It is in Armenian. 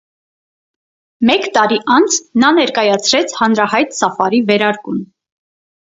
Մեկ տարի անց նա ներկայացրեց հանրահայտ սաֆարի վերարկուն։